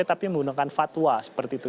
tapi menggunakan fatwa seperti itu